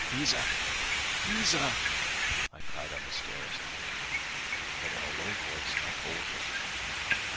"Liza! Liza!" I cried on the stairs, but in a low voice, not boldly.